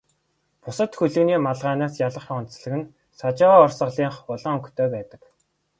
Бусад хөлгөний малгайнаас ялгарах онцлог нь Сажава урсгалынх улаан өнгөтэй байдаг.